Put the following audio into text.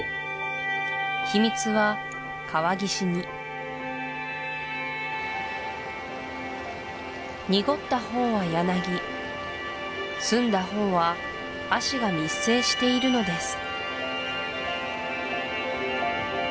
秘密は川岸に濁ったほうは柳澄んだほうは葦が密生しているのです